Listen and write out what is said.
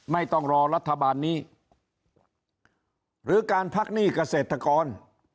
ไม่ต้องรอรัฐบาลนี้หรือการพักหนี้เกษตรกร